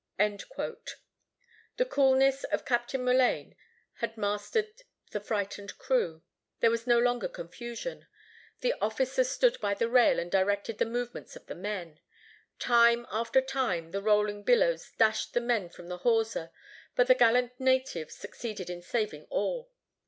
The coolness of Captain Mullane had mastered the frightened crew. There was no longer confusion. The officers stood by the rail and directed the movements of the men. Time after time the rolling billows dashed the men from the hawser; but the gallant natives succeeded in saving all.